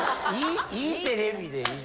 いいテレビでいい。